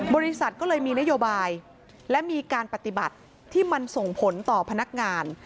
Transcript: บริษัทก็เลยมีนโยบายและมีการปฏิบัติที่มันส่งผลต่อพนักงาน